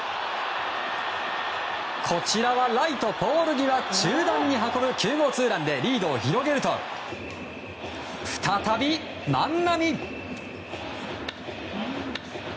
こちらはライトポール際中段に運ぶ９号ツーランでリードを広げると再び、万波。